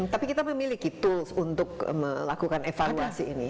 tapi kita memiliki tools untuk melakukan evaluasi ini